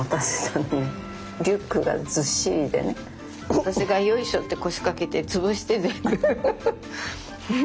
私がよいしょって腰掛けて潰して全部。